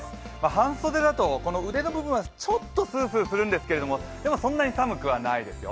半袖だとこの腕の部分はちょっとスースーするんですけれども、でもそんなに寒くはないですよ。